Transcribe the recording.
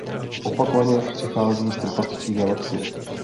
Opakovaně přichází z trpasličí galaxie.